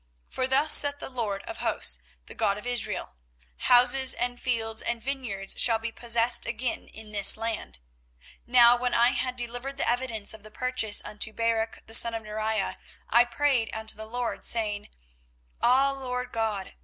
24:032:015 For thus saith the LORD of hosts, the God of Israel; Houses and fields and vineyards shall be possessed again in this land. 24:032:016 Now when I had delivered the evidence of the purchase unto Baruch the son of Neriah, I prayed unto the LORD, saying, 24:032:017 Ah Lord GOD!